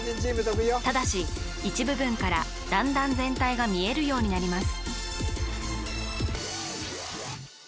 ただし一部分から段々全体が見えるようになります